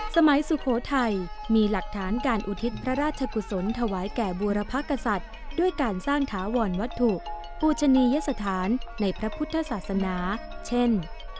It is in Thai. สุโขทัยมีหลักฐานการอุทิศพระราชกุศลถวายแก่บูรพกษัตริย์ด้วยการสร้างถาวรวัตถุภูชนียสถานในพระพุทธศาสนาเช่น